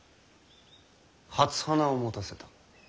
初花を持たせた。